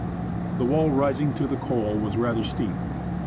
The wall rising to the ^^/ was rather steep.